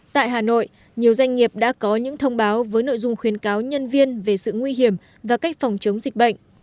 tại hà nội nhiều doanh nghiệp đã có những thông báo với nội dung khuyến cáo nhân viên về sự nguy hiểm và cách phòng chống dịch bệnh